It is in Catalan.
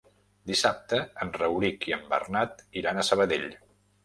Dissabte en Rauric i en Bernat iran a Sabadell.